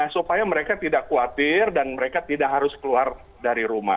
supaya mereka tidak khawatir dan mereka tidak harus keluar dari rumah